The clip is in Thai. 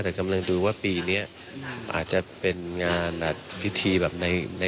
แต่กำลังดูว่าปีนี้อาจจะเป็นงานพิธีแบบใน